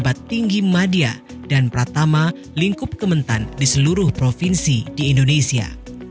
pejabat tinggi madia dan pratama lingkup kementan di seluruh provinsi di indonesia